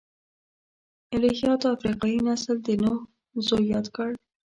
الهیاتو افریقايي نسل د نوح زوی یاد کړ.